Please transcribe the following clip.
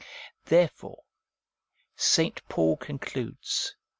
Therefore St. Paul concludes (ii.